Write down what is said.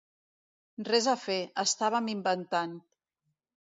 Res a fer, estàvem inventant.